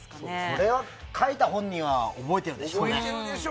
それは書いた本人は覚えてるでしょうね。